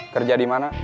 kerja di mana